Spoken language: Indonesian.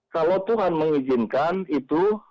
kalau tuhan mengizinkan itu